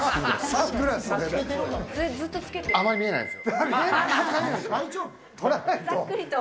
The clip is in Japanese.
あまり見えないんですよ。